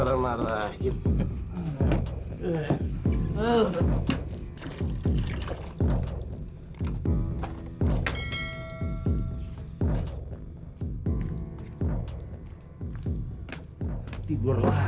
tidak usah berisik ya